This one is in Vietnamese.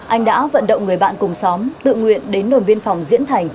anh đã vận động người bạn cùng xóm tự nguyện đến nồn biên phòng diễn thành